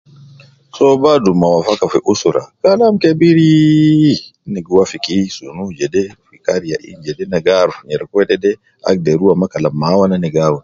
Soo badu ma wafaka fi usra, kalam kebirii, ne gi wafiki ,sunu jede fi kariya in nede na gi aruf nyereku wede agder rua ma Kalam mawwana na gi